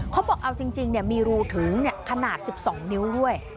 เขาบอกเอาจริงมีรูถึงขนาด๑๒นิ้วด้วย